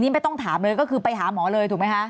ไม่ต้องถามเลยก็คือไปหาหมอเลยถูกไหมคะ